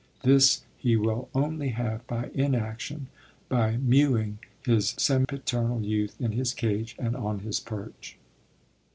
This he will only have by inaction, by mewing his sempiternal youth in his cage and on his perch.